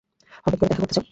হটাৎ করে দেখা করতে চাও কেন?